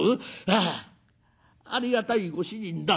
『ああありがたいご主人だ。